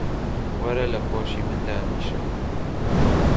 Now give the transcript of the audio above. وەرە لە کۆشی من دانیشە.